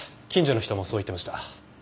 近所の人もそう言ってました。